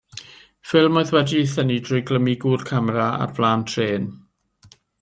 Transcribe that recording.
Ffilm oedd wedi ei thynnu trwy glymu gŵr camera ar flaen trên.